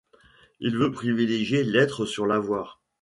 Il veut privilégier l'être sur l'avoir.